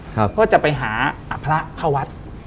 เพราะว่าจะไปหาพระเข้าวัด